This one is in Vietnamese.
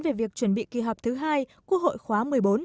về việc chuẩn bị kỳ họp thứ hai quốc hội khóa một mươi bốn